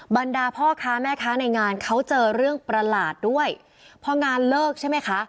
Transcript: บรรดาพ่อค้าแม่ค้าในงานเขาเจอเรื่องประหลาดด้วยพองานเลิกใช่ไหมคะ